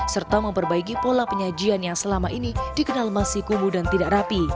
serta memperbaiki pola penyajian yang selama ini dikenal masih kumuh dan tidak rapi